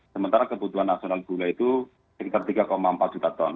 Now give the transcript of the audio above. sementara kebutuhan nasional gula itu sekitar tiga empat juta ton